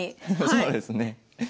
そうですね。